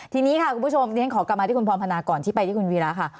ทีนี้ค่ะคุณผู้ชมเรียนขอกลับมาที่คุณพรพนาก่อนที่ไปที่คุณวีระค่ะ